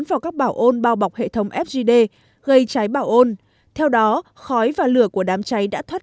vào các bảo ôn bao bọc hệ thống fgd gây cháy bảo ôn theo đó khói và lửa của đám cháy đã thoát